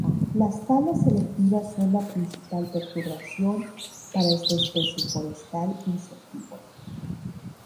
Las talas selectivas son la principal perturbación para esta especie forestal insectívora.